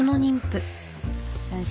先生。